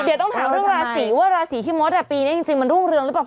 เดี๋ยวต้องถามเรื่องราศีว่าราศีที่มดปีนี้จริงมันรุ่งเรืองหรือเปล่า